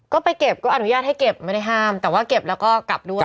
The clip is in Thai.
ก็ไปเก็บก็อนุญาตให้เก็บไม่ได้ห้ามแต่ว่าเก็บแล้วก็กลับด้วย